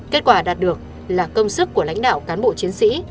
kết quả đạt được là công sức của lãnh đạo cán bộ chiến sĩ